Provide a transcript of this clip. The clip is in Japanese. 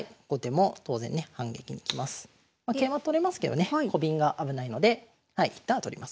ま桂馬取れますけどねコビンが危ないので一旦は取ります。